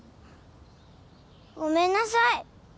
ごめんなさい！